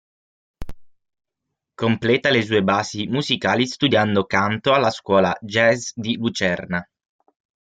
Completa le sue basi musicali studiando canto alla Scuola jazz di Lucerna.